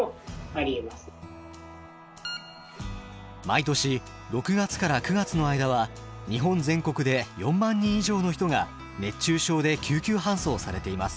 毎年６月から９月の間は日本全国で４万人以上の人が熱中症で救急搬送されています。